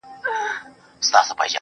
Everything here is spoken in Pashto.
• زه څوک لرمه.